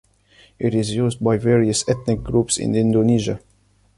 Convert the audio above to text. It is used by various ethnic groups in Indonesia.